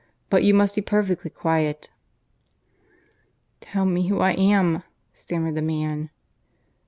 But you must be perfectly quiet " "Tell me who I am," stammered the man.